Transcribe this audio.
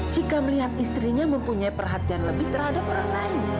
jika melihat istrinya mempunyai perhatian lebih terhadap orang lain